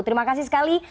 terima kasih sekali